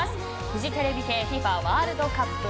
フジテレビ系ＦＩＦＡワールドカップ